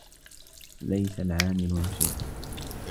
لَيْسَ الْعَامِلُ نَشِيطًا.